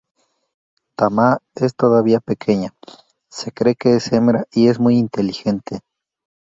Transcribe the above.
Tama es todavía pequeña, se cree que es hembra y es muy inteligente.